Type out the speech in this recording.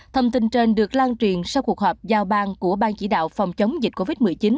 thông tin trên được lan truyền sau cuộc họp giao bang của bang chỉ đạo phòng chống dịch covid một mươi chín